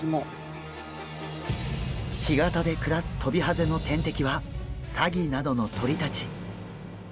干潟で暮らすトビハゼの天敵はサギなどの鳥たち。